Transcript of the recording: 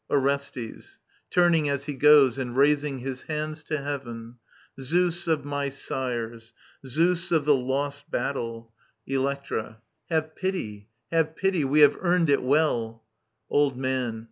Orestes {turning as hi goes and raising his hands to heaven). 2Seus of my sires, 2^eus of the lost battle, Electra. Have pity ; have pity ; we have earned it well I Old Man.